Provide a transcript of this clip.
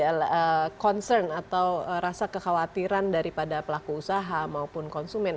jadi kalau kita lihat bahwa concern atau rasa kekhawatiran daripada pelaku usaha maupun konsumen